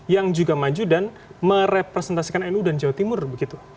yang juga maju dan merepresentasikan nu dan jawa timur begitu